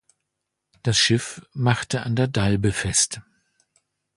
Das Schiff machte an der Dalbe fest.